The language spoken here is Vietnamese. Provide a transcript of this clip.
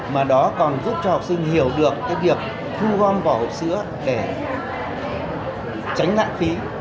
mà đó còn giúp cho học sinh hiểu được việc thu gom vỏ hộp sữa để tránh lãng phí